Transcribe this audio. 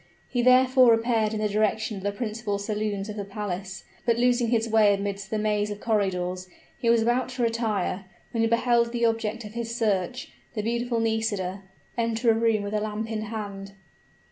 He therefore repaired in the direction of the principal saloons of the palace; but losing his way amidst the maze of corridors, he was about to retire, when he beheld the object of his search, the beautiful Nisida, enter a room with a lamp in hand.